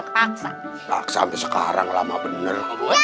tidak sampai sekarang lama bener